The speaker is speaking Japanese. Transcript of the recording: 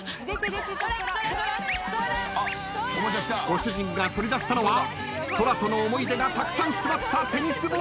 ご主人が取り出したのはそらとの思い出がたくさん詰まったテニスボール。